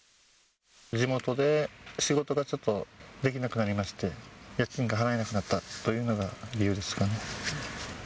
地元で仕事がちょっとできなくなりまして、家賃が払えなくなったというのが理由ですかね。